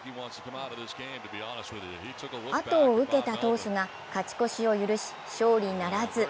あとを受けた投手が勝ち越しを許し、勝利ならず。